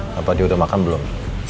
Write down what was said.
bapak dia udah makan belum